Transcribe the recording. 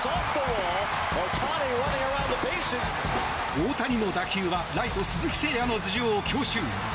大谷の打球はライト、鈴木誠也の頭上を強襲。